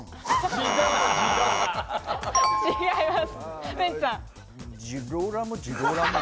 違います。